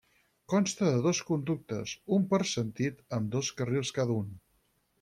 Consta de dos conductes, un per sentit, amb dos carrils cada un.